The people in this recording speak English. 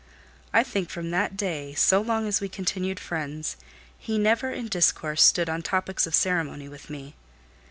I think from that day, so long as we continued friends, he never in discourse stood on topics of ceremony with me.